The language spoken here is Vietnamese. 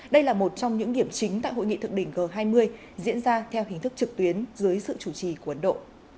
đây là một trong những điểm chính tại hội nghị thượng đỉnh g hai mươi diễn ra theo hình thức trực tuyến dưới sự chủ trì của ấn độ